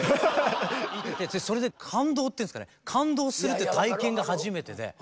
見ててそれで感動っていうんですかね感動するっていう体験が初めてで。